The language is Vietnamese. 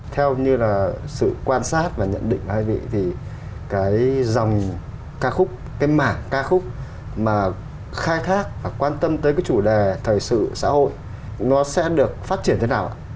theo như là sự quan sát và nhận định hai vị thì cái dòng ca khúc cái mảng ca khúc mà khai thác và quan tâm tới cái chủ đề thời sự xã hội nó sẽ được phát triển thế nào ạ